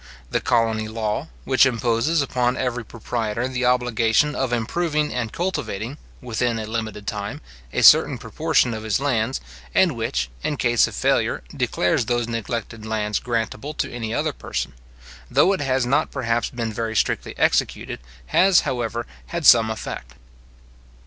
The colony law, which imposes upon every proprietor the obligation of improving and cultivating, within a limited time, a certain proportion of his lands, and which, in case of failure, declares those neglected lands grantable to any other person; though it has not perhaps been very strictly executed, has, however, had some effect.